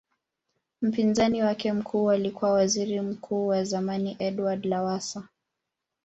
Mpinzani wake mkuu alikuwa Waziri Mkuu wa zamani Edward Lowassa